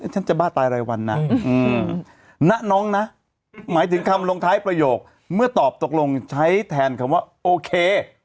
ฉันจะบ้าตายรายวันนะณน้องนะหมายถึงคำลงท้ายประโยคเมื่อตอบตกลงใช้แทนคำว่าโอเค